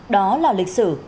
đó là lịch sử